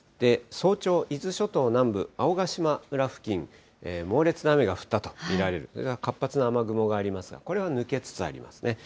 早朝、伊豆諸島南部青ヶ島村付近、猛烈な雨が降ったと見られる、活発な雨雲がありますが、これは抜けつつありますね。